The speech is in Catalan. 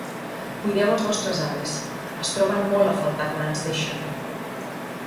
Cuideu els vostres avis, es troben molt a faltar quan ens deixen.